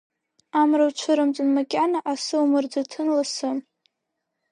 Амра, уцәырымҵын макьана, асы умырӡыҭын лассы.